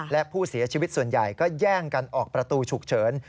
และผู้เสียชีวิตส่วนใหญ่ก็แย่งกันออกประตูฉุกเฉิน